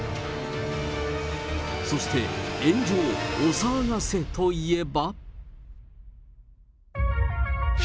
そして、炎上お騒がせといえば。